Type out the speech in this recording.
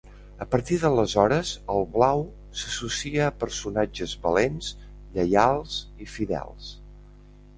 A partir d'aleshores el blau s'associa a personatges valents, lleials i fidels.